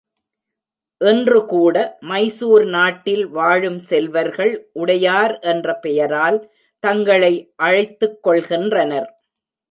இன்று கூட மைசூர் நாட்டில் வாழும் செல்வர்கள் உடையார் என்ற பெயரால் தங்களை அழைத்துக் கொள்கின்றனர்.